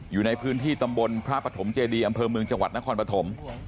อยู่ในพื้นที่ตำบลพระปฐมเจดีอำเภอเมืองจังหวัดนครปฐม